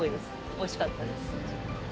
おいしかったです。